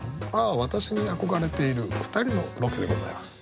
私に憧れている２人のロケでございます。